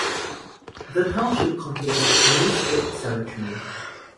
The township contains Moose Lake Cemetery.